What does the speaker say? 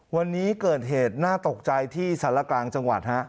วันนี้เกิดเหตุน่าตกใจที่สารกลางจังหวัดฮะ